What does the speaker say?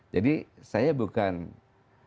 jadi saya bukan dicopot